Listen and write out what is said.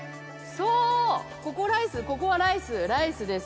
そう、ここはライス、ここはライス、ライスです。